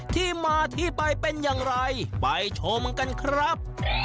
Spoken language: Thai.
ที่มาที่ไปเป็นอย่างไรไปชมกันครับ